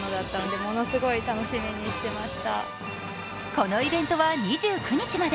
このイベントは２９日まで。